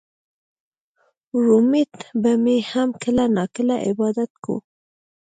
رومېټ به مې هم کله نا کله عبادت کوو